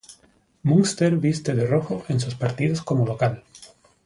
Munster viste de rojo en sus partidos como local.